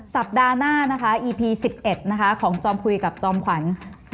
สัปดาห์หน้านะคะอีพี๑๑นะคะของจอมคุยกับจอมขวัญ